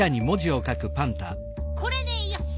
これでよし。